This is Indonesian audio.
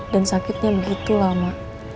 dan sakitnya begitu lama